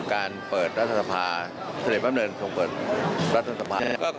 สู่การเปิดรัฐธรรพาเศรษฐ์แว่นแบบเดินส่วนเปิดรัฐธรรพา